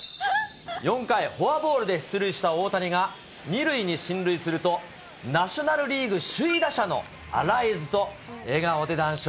４回、フォアボールで出塁した大谷が２塁に進塁すると、ナショナルリーグ首位打者のアライズと笑顔で談笑。